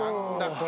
これ。